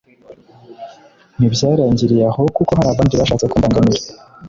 ntibyarangiriye aho, kuko hari abandi bashatse kumbangamira.